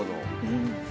うん。